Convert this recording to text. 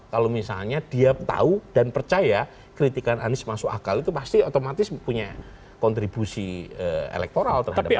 kalau misalnya dia tahu dan percaya kritikan anies masuk akal itu pasti otomatis punya kontribusi elektoral terhadap anies